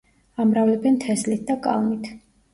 ამრავლებენ თესლით და კალმით.